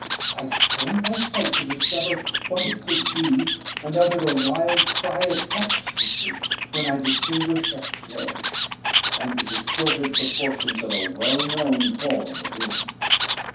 I strained my sight to discover what it could be, and uttered a wild cry of ecstasy when I distinguished a sledge, and the distorted proportions of a well known form within.